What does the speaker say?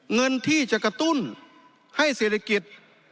เงินที่จะกระตุ้นให้เศรษฐกิจ